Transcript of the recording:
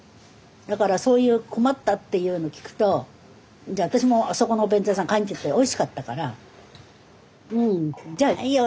だからそういう困ったっていうの聞くと私もあそこのお弁当屋さん買いにいってておいしかったからうんじゃあいいよ